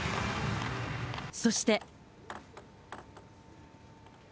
そして。